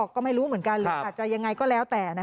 ก็ไม่รู้เหมือนกันหรืออาจจะยังไงก็แล้วแต่